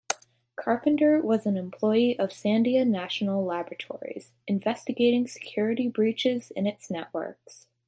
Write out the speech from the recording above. Carpenter was an employee of Sandia National Laboratories, investigating security breaches in its networks.